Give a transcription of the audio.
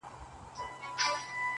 په قسمت مي وصال نه وو رسېدلی؛